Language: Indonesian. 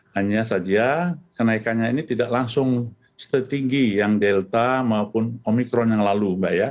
hanya saja kenaikannya ini tidak langsung setinggi yang delta maupun omikron yang lalu mbak ya